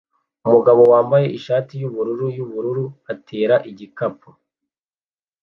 Umugabo wambaye ishati yubururu yubururu atera igikapu